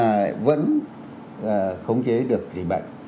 được tiếp xúc mà vẫn khống chế được dịch bệnh